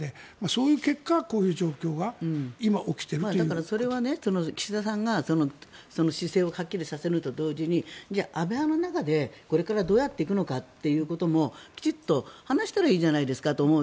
そういう結果こういう状況がそれは岸田さんがその姿勢をはっきりさせるのと同時に安倍派の中でこれからどうやっていくのかということもきちんと話したらいいじゃないかと思う。